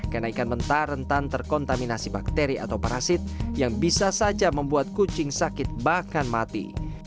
karena ikan mentah rentan terkontaminasi bakteri atau parasit yang bisa saja membuat kucing sakit bahkan mati